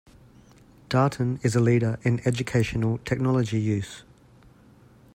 Darton is a leader in educational technology use.